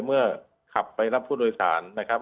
เมื่อขับไปรับผู้โดยสารนะครับ